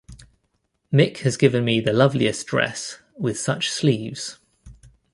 Mick has given me the loveliest dress, with such sleeves.